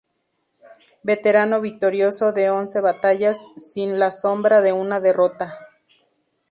Veterano victorioso de once batallas, sin la sombra de una derrota.